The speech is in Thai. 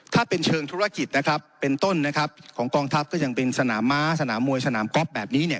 ถ้าเป็นเชิงธุรกิจนะครับเป็นต้นนะครับของกองทัพก็ยังเป็นสนามม้าสนามมวยสนามก๊อฟแบบนี้เนี่ย